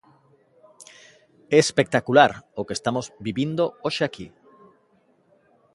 É espectacular o que estamos vivindo hoxe aquí.